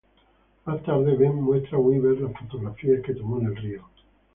Más tarde, Ben muestra Weaver las fotografías que tomó en el río.